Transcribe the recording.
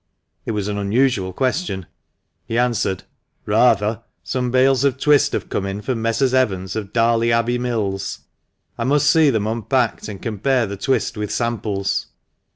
It was an unusual question. He answered — "Rather. Some bales of twist have come in from Messrs. Evans, of Darley Abbey Mills. I must see them unpacked, and compare the twist with samples.